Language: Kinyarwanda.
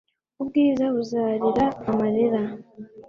ubwiza buzarira amarira